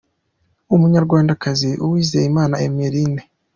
Umunyarwandakazi, Uwizeyimana Emeline.